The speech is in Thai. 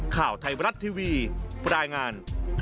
ข่าวไทยบรัฐทีวีรายงาน